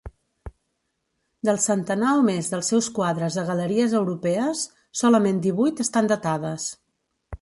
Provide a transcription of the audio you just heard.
Del centenar o més dels seus quadres a galeries europees, solament divuit estan datades.